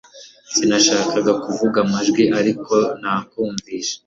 Sinashakaga kuvuga amajwi ariko nakumvise